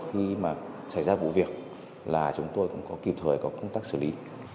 khi mà xảy ra vụ việc là chúng tôi cũng có kịp thời có công tác xử lý